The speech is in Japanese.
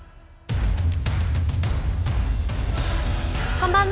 こんばんは。